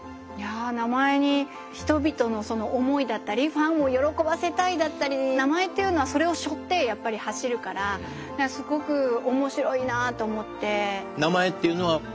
名前に人々のその思いだったりファンを喜ばせたいだったり名前っていうのはそれをしょってやっぱり走るからすごく面白いなと思って。